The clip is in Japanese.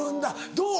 どう？